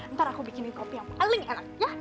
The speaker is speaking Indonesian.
ntar aku bikinin kopi yang paling enak ya